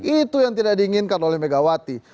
itu yang tidak diinginkan oleh megawati